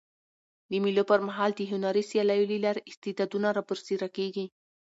د مېلو پر مهال د هنري سیالیو له لاري استعدادونه رابرسېره کېږي.